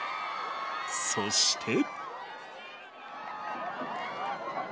そして。